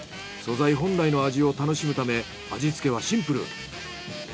素材本来の味を楽しむため味付けはシンプル。